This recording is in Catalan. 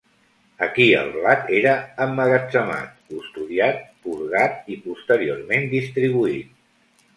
Aquí el blat era emmagatzemat, custodiat, purgat i posteriorment distribuït.